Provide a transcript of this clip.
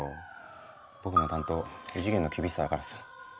僕の担当異次元の厳しさだからさ。